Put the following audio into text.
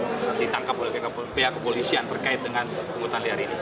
yang ditangkap oleh pihak kepolisian terkait dengan penghutang liar ini